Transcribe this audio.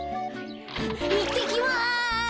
いってきます。